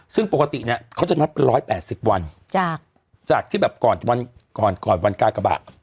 ซึ่งปกติเนี่ยเขาจะนับเป็น๑๘๐วันจากที่แบบก่อนวันกาลกระบะ